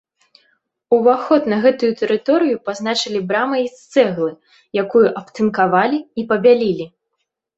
Уваход на гэтую тэрыторыю пазначылі брамай з цэглы, якую абтынкавалі і пабялілі.